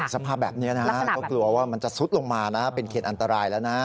สภาพแบบนี้นะฮะก็กลัวว่ามันจะซุดลงมานะเป็นเขตอันตรายแล้วนะ